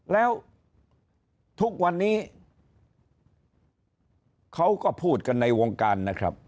แล้วทุกวันนี้เขาก็พูดกันในวงการนะครับ